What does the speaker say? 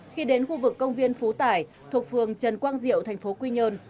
khi đến khu vực công viên phú tải thuộc phường trần quang diệu tp quy nhơn